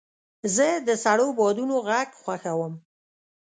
زه د سړو بادونو غږ خوښوم.